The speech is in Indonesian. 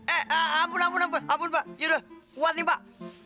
eh ampun ampun ampun pak ya udah puas nih pak